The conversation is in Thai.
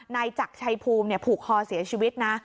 นายจักรชัยภูมิผูกคอเสียชีวิตนะ